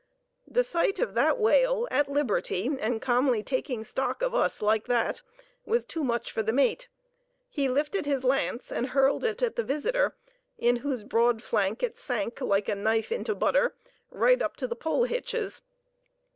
The sight of that whale at liberty, and calmly taking stock of us like that, was too much for the mate. He lifted his lance and hurled it at the visitor, in whose broad flank it sank, like a knife into butter, right up to the pole hitches.